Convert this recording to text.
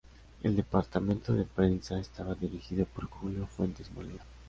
El Departamento de Prensa estaba dirigido por Julio Fuentes Molina.